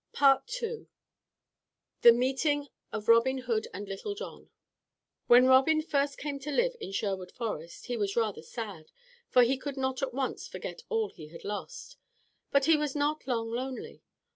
II THE MEETING OF ROBIN HOOD AND LITTLE JOHN When Robin first came to live in Sherwood Forest he was rather sad, for he could not at once forget all he had lost. But he was not long lonely.